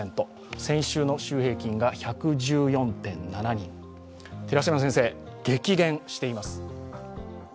先週の週平均が１１４．７人、激減しています。